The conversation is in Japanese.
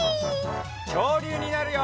きょうりゅうになるよ！